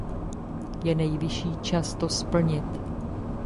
Je nejvyšší čas to splnit!